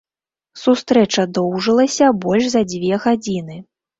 Сустрэча доўжылася больш за дзве гадзіны.